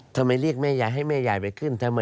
ทำไมเรียกแม่ยายให้แม่ยายไปขึ้นทำไม